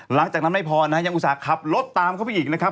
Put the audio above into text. หลังจากนั้นไม่พอนะยังอุตส่าห์ขับรถตามเข้าไปอีกนะครับ